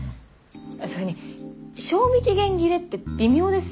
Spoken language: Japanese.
それに賞味期限切れって微妙ですよね。